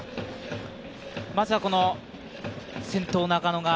まずは先頭・中野が。